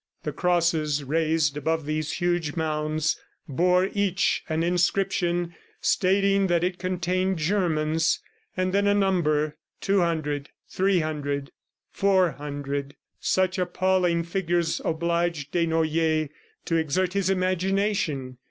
The crosses raised above these huge mounds bore each an inscription stating that it contained Germans, and then a number 200 ... 300 ... 400. Such appalling figures obliged Desnoyers to exert his imagination.